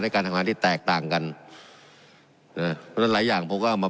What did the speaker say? การทำงานที่แตกต่างกันนะเพราะฉะนั้นหลายอย่างผมก็เอามา